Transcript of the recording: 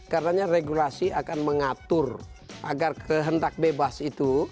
karena regulasi akan mengatur agar kehendak bebas itu